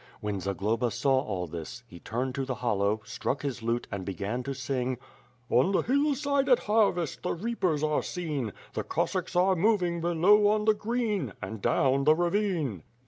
When Zagloba saw all this, he turned to this hollow, struck his lute, and began to sing: On the hillside at harvest The reapers are seen The Cossacks are moving Below on the green, And down the ravine.